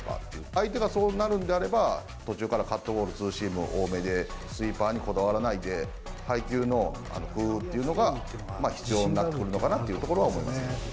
相手がそうなるんであれば、途中からカットボール、ツーシーム多めで、スイーパーにこだわらないで、配球の工夫っていうのが必要になってくるのかなというところは思いますね。